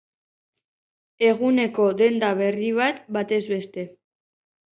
Eguneko denda berri bat batez beste.